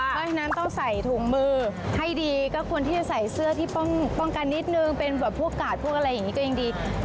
เพราะฉะนั้นต้องใส่ถุงมือให้ดีก็ควรที่จะใส่เสื้อที่ป้องกันนิดนึงเป็นแบบพวกกาดพวกอะไรอย่างนี้ก็ยังดี